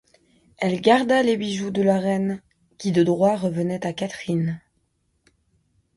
Elle garda les bijoux de la reine, qui de droit revenaient à Catherine.